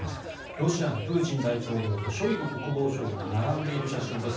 ロシアのプーチン大統領とショイグ国防相が並んでいる写真です。